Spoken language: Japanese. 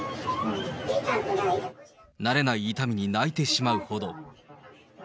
慣れない痛みに泣いてしまうほど。